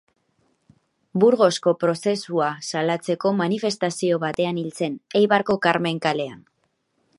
Burgosko Prozesua salatzeko manifestazio batean hil zen, Eibarko Karmen kalean.